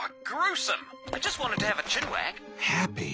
ハッピー。